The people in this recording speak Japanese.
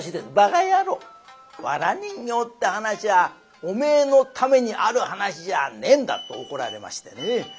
『藁人形』って噺はおめえのためにある噺じゃねえんだ」って怒られましてね。